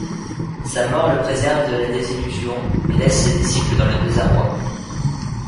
Sa mort le préserve de la désillusion, mais laisse ses disciples dans le désarroi.